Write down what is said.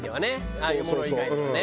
ああいうもの以外ではね。